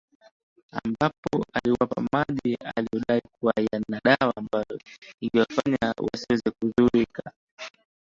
ambapo aliwapa maji aliyodai kuwa yana dawa ambayo ingewafanya wasiweze kudhurika